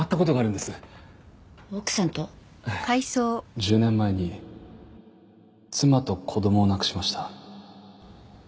１０年前に妻と子供を亡くしました。